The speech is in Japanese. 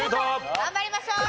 頑張りましょう！